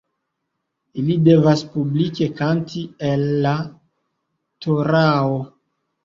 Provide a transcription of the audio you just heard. Ili devas publike kanti el la torao.